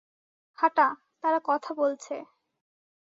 হাঁটা, তারা কথা বলছে।